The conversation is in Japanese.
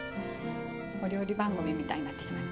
お料理番組みたいになってしまう。